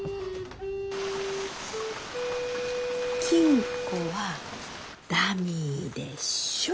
金庫はダミーでしょ。